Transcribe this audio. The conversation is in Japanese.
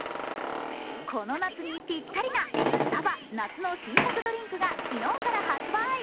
この夏にぴったりな、スタバ夏の新作ドリンクが昨日から発売。